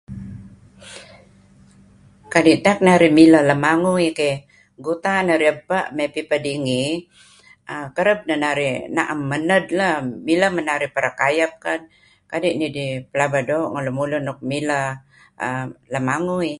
Kadi' tak narih mileh lemangui keh guta narih ebpa' may pipeh dingi kereb neh narih naem maned lah mileh man narih perikayep kadi' nidih pelaba doo' ngen lemulun nuk mileh lemangui.